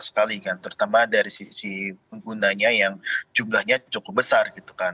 sekali kan terutama dari sisi penggunanya yang jumlahnya cukup besar gitu kan